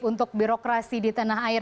untuk birokrasi di tanah air